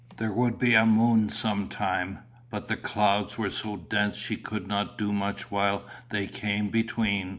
There would be a moon some time, but the clouds were so dense she could not do much while they came between.